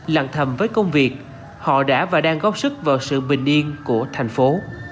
lặng thầm với công việc họ đã và đang góp sức vào sự bình yên của thành phố